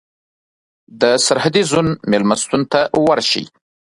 د سرحدي زون مېلمستون ته ورشئ.